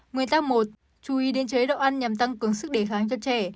nguyên tắc một chú ý đến chế độ ăn nhằm tăng cường sức đề kháng cho trẻ